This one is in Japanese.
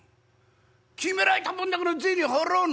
決められたもんだから銭払わあな！」。